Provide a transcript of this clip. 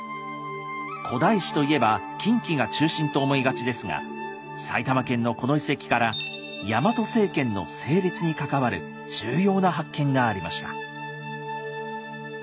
古代史と言えば近畿が中心と思いがちですが埼玉県のこの遺跡からヤマト政権の成立に関わる重要な発見がありました。